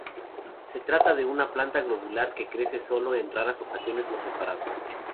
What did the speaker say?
Se trata de una planta globular, que crece sólo en raras ocasiones por separado.